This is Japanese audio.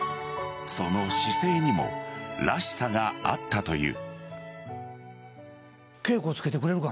その姿勢にもらしさがあったという。